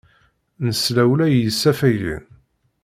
Nesla ula i yisafagen.